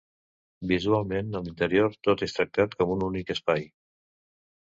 Visualment, a l'interior, tot és tractat com un únic espai.